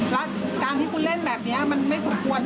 แล้วการที่คุณเล่นแบบนี้มันไม่สมควร